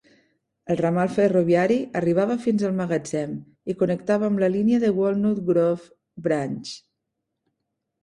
El ramal ferroviari arribava fins al magatzem i connectava amb la línia de Walnut Grove Branch.